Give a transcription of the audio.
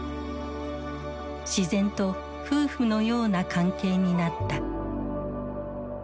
自然と夫婦のような関係になった。